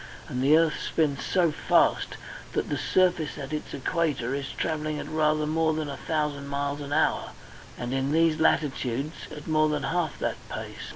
And the earth spins so fast that the surface at its equator is travelling at rather more than a thousand miles an hour, and in these latitudes at more than half that pace.